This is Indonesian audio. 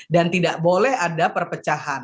dan tidak boleh ada perpecahan